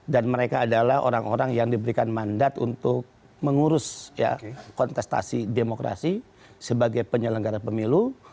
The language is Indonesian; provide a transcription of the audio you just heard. dan mereka adalah orang orang yang diberikan mandat untuk mengurus kontestasi demokrasi sebagai penyelenggara pemilu